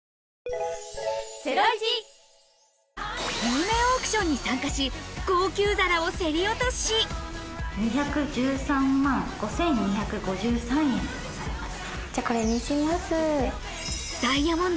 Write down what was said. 有名オークションに参加し高級皿を競り落とし２１３万５２５３円でございます。